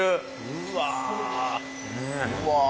うわ。